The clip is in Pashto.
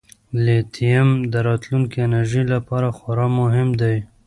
لیتیم د راتلونکي انرژۍ لپاره خورا مهم دی.